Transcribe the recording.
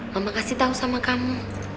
mama kasih tahu sama kamu